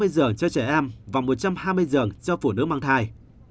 một trăm tám mươi giường cho trẻ em và một trăm hai mươi giường cho phụ nữ mang thai